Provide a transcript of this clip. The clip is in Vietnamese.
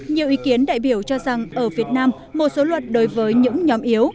nhiều ý kiến đại biểu cho rằng ở việt nam một số luật đối với những nhóm yếu